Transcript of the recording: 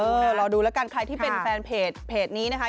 รอดูแล้วกันใครที่เป็นแฟนเพจนี้นะคะ